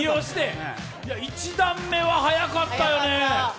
１段目は速かったよね。